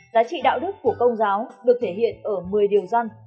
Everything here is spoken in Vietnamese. giá trị đạo đức của công giáo được thể hiện ở một mươi điều dân